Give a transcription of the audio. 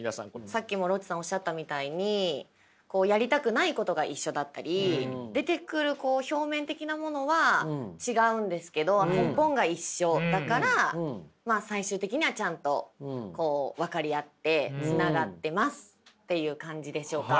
さっきもロッチさんおっしゃったみたいにやりたくないことが一緒だったり出てくる表面的なものは違うんですけど根本が一緒だからまあ最終的にはちゃんと分かり合ってつながってますっていう感じでしょうか？